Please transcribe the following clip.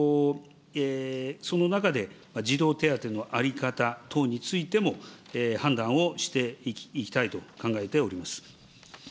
その中で、児童手当の在り方等についても、判断をしていきたいと考えております。